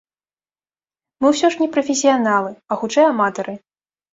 Мы ўсё ж не прафесіяналы, а, хутчэй, аматары.